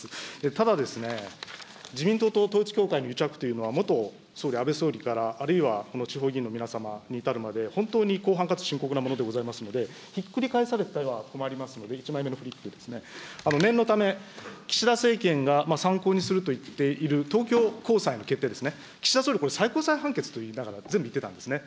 ただ、自民党と統一教会の癒着というのは、元総理、安倍総理から、あるいは地方議員の皆様に至るまで、本当に広範かつ深刻なものでございますので、ひっくり返されては困りますので、１枚目のフリップですね、念のため、岸田政権が参考にすると言っている東京高裁の決定ですね、岸田総理、これ最高裁判決と言いながら、全部言ってたんですね、